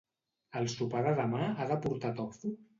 El sopar de demà ha de portar tofu?